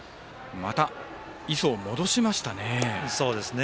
また磯を戻しましたね。